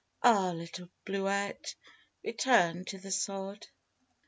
Ah, little Bluette, return to the sod.